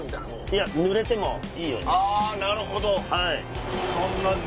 いやぬれてもいいように。